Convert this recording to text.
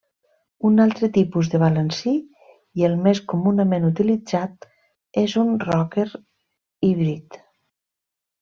Un altre tipus de balancí i el més comunament utilitzat és un rocker híbrid.